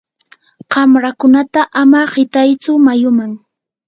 qanrakunata ama qitaychu mayuman.